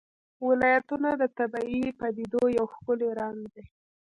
ولایتونه د طبیعي پدیدو یو ښکلی رنګ دی.